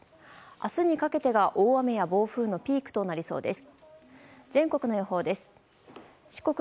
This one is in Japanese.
明日にかけてが大雨や暴風のピークとなりそうです。